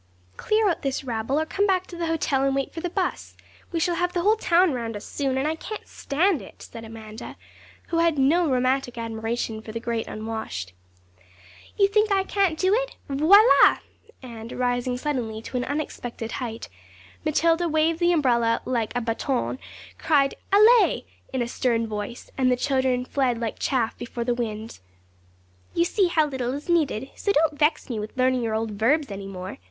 'Clear out this rabble, or come back to the hotel and wait for the bus. We shall have the whole town round us soon, and I can't stand it,' said Amanda, who had no romantic admiration for the Great Unwashed. 'You think I can't do it? Voilà!' and, rising suddenly to an unexpected height, Matilda waved the umbrella like a bâton, cried 'Allez!' in a stern voice, and the children fled like chaff before the wind. 'You see how little is needed, so don't vex me with learning your old verbs any more!'